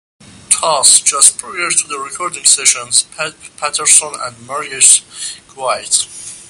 Thus, just prior to the recording sessions, Paterson and Maurice quit.